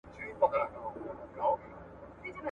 په ړندو کي يو سترگی پاچا دئ.